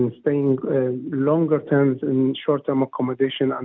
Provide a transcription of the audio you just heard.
dan tinggal di rumah rumah yang berlangsung